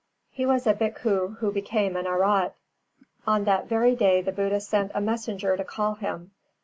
He was a bhikkhu who became an Arhat. On that very day the Buddha sent a messenger to call him.